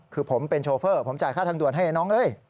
คือผมเป็นโชเฟอร์ผมจ่ายค่าทางด่วนให้น้องเอ้ย